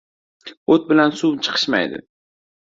• O‘t bilan suv chiqishmaydi.